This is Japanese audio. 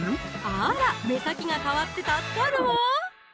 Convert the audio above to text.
あら目先が変わって助かるわ！